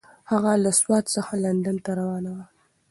هغه له سوات څخه لندن ته روانه وه.